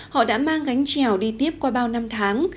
họ đã mang gánh trèo đi tiếp qua bao năm tháng